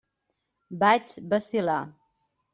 Vaig vacil·lar.